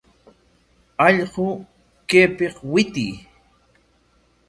¡Allqu, kaypik witiy!